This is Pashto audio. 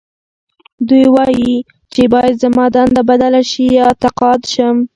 دوی وايي چې باید زما دنده بدله شي یا تقاعد شم